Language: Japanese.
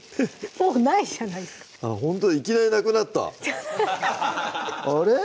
もうないじゃないですかあっほんといきなりなくなったあれっ？